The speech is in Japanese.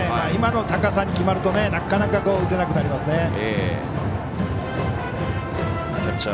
今の高さに決まると、なかなか打てなくなりますね。